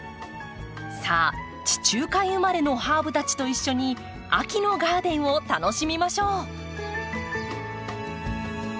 さあ地中海生まれのハーブたちと一緒に秋のガーデンを楽しみましょう。